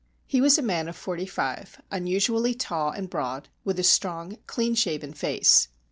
He was a man of forty five, unusually tall and broad, with a strong, clean shaven face.